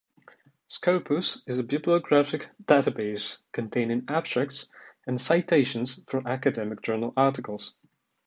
Scopus is a bibliographic database containing abstracts and citations for academic journal articles.